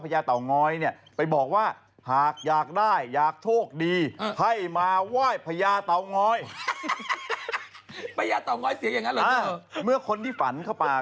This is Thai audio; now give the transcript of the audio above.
พญาต่อง้อยเสียงอย่างนั้นหรอเจ้า